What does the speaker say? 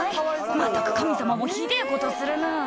「まったく神様もひでぇことするな」